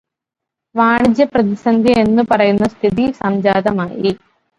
വാണിജ്യപ്രതിസന്ധി എന്നു പറയുന്ന സ്ഥിതി സംജാതമായി.